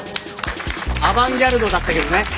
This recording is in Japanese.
アバンギャルドだったけどね。